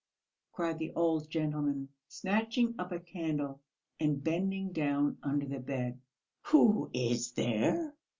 cried the old gentleman, snatching up a candle and bending down under the bed. "Who is there?"